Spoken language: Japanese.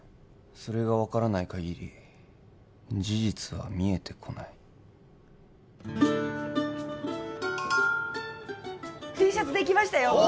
それが分からないかぎり事実は見えてこないＴシャツできましたよ